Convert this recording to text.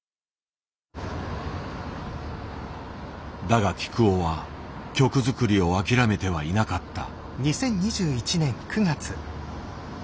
だがきくおは曲作りを諦めてはいなかった。